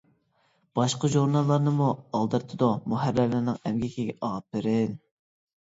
باشقا ژۇرناللارنىمۇ ئالدىرىتىدۇ. مۇھەررىرلەرنىڭ ئەمگىكىگە ئاپىرىن!